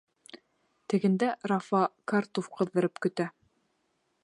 Тегендә Рафа картуф ҡыҙҙырып көтә.